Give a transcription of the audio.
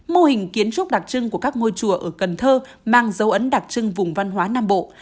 mô hình kiến trúc đặc trưng của các ngôi chùa ở cần thơ mang dấu ấn đặc trưng vùng văn hóa nam bộ